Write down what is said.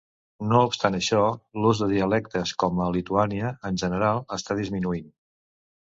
No obstant això, l'ús de dialectes com a Lituània, en general, està disminuint.